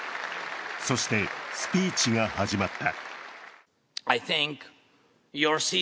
そしてスピーチが始まった。